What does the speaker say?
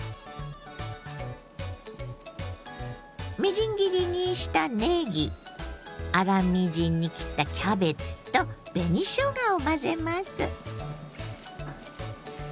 みじん切りにしたねぎ粗みじんに切ったキャベツと紅しょうがを混ぜます。